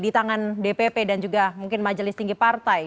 di tangan dpp dan juga mungkin majelis tinggi partai